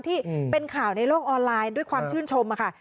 ที่เป็นข่าวในโลกออนไลน์ด้วยความชื่นชมค่ะ